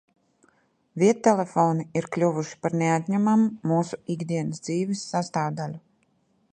Viedtelefoni ir kļuvuši par neatņemamu mūsu ikdienas dzīves sastāvdaļu.